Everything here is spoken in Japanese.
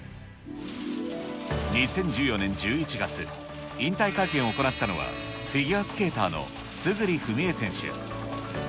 ２０１４年１１月、引退会見を行ったのは、フィギュアスケーターの村主章枝選手。